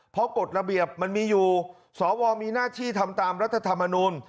เพราะกฎระเบียบมันมีอยู่สวมีหน้าที่ทำตามรัฐธรรมนูล